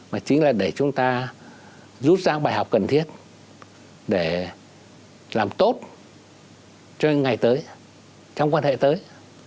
mà chính là để chúng ta rút ra bài học cần thiết để làm tốt cho những ngày tới trong quan hệ tới